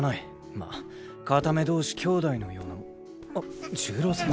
まあ片目同士兄弟のような。あっ重郎さん。